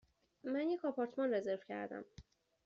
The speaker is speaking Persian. من یک آپارتمان رزرو کردم.